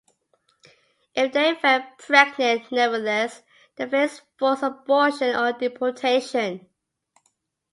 If they fell pregnant nevertheless they faced forced abortion or deportation.